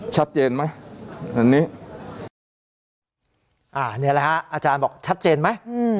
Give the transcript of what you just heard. ชัดเจนไหมอันนี้อ่านี่แหละฮะอาจารย์บอกชัดเจนไหม